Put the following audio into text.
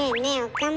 岡村。